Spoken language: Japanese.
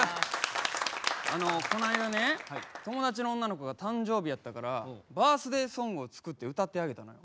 あのこの間ね友達の女の子が誕生日やったからバースデーソングを作って歌ってあげたのよ。